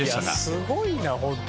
いやすごいなホント。